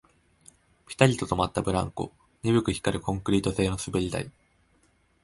ピタリと止まったブランコ、鈍く光るコンクリート製の滑り台